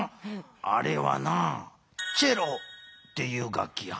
あれはなチェロっていう楽器や。